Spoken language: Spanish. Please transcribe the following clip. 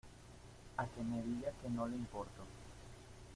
a que me diga que no le importo.